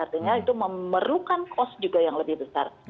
artinya itu memerlukan cost juga yang lebih besar